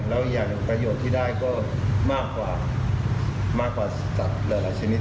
แล้วอีกอย่างประโยชน์ที่ได้ก็มากกว่าสัตว์หลายชนิด